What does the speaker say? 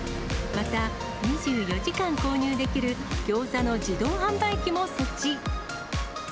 また、２４時間購入できるギョーザの自動販売機も設置。